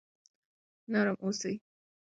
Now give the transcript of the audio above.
نرم اوسئ.